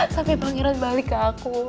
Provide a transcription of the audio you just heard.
sampai pangeran balik ke aku